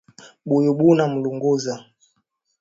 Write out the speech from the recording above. Buyi buna mulunguza